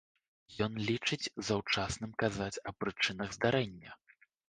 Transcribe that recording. Ён лічыць заўчасным казаць аб прычынах здарэння.